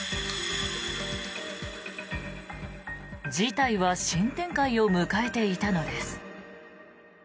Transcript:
事態は新展開を迎えていたのです。